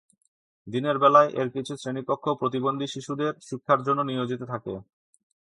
দিনের বেলায় এর কিছু শ্রেণীকক্ষ প্রতিবন্ধী শিশুদের শিক্ষার জন্য নিয়োজিত থাকে।